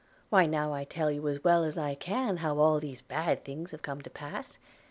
why now I tell you as well as I can all how these bad things have come to pass.